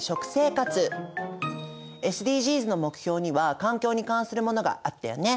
ＳＤＧｓの目標には環境に関するものがあったよね。